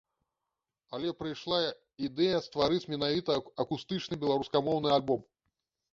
Але прыйшла ідэя стварыць менавіта акустычны беларускамоўны альбом.